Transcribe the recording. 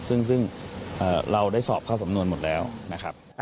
ซึ่งเราได้สอบเข้าสำนวนหมดแล้วนะครับ